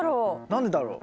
何でだろう？